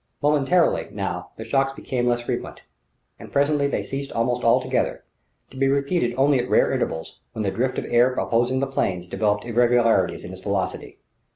Momentarily, now, the shocks became less frequent. And presently they ceased almost altogether, to be repeated only at rare intervals, when the drift of air opposing the planes developed irregularities in its velocity.